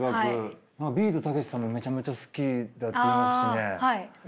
ビートたけしさんもめちゃめちゃ好きだっていいますしね。